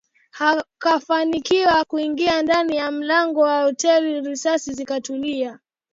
Akafanikiwa kuingia ndani ya mlango wa hoteli risasi zikatulia